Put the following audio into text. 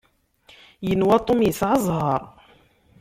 Yenwa Tom yesɛa zzheṛ.